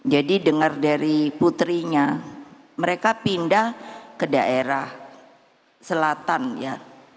jadi dengar dari putrinya mereka pindah ke daerah selatan ya